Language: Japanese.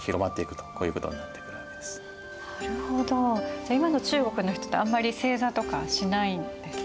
じゃあ今の中国の人ってあんまり正座とかはしないんですか？